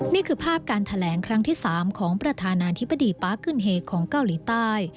นี่คือภาพการแถลงครั้งที่๓ของประธานาธิบดีปาร์คขึ้นเฮของเกาหลีใต้